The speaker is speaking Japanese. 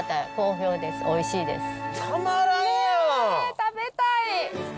食べたい！